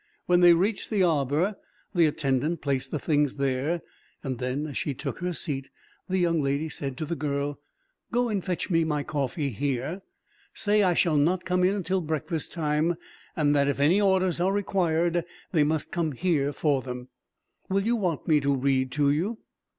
When they reached the arbor the attendant placed the things there, and then, as she took her seat, the young lady said to the girl: "Go in and fetch me my coffee here. Say I shall not come in until breakfast time, and that if any orders are required, they must come here for them." "Will you want me to read to you?"